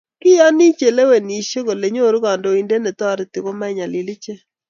Kiyoni chelewenishei kole nyoru kandoindet netoriti komainyalil ichek